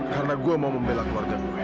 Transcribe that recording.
karena gue mau membela keluarga gue